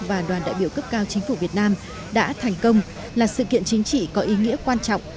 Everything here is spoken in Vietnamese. và đoàn đại biểu cấp cao chính phủ việt nam đã thành công là sự kiện chính trị có ý nghĩa quan trọng